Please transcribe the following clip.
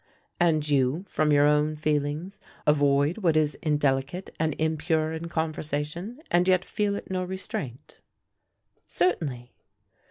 "And you, from your own feelings, avoid what is indelicate and impure in conversation, and yet feel it no restraint?" "Certainly."